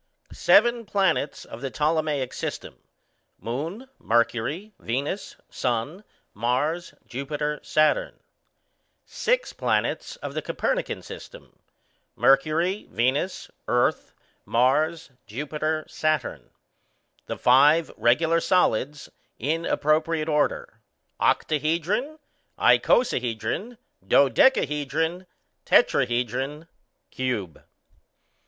_Seven planets of the Ptolemaic system _ Moon, Mercury, Venus, Sun, Mars, Jupiter, Saturn. _Six planets of the Copernican system _ Mercury, Venus, Earth, Mars, Jupiter, Saturn. _The five regular solids, in appropriate order _ Octahedron, Icosahedron, Dodecahedron, Tetrahedron, Cube.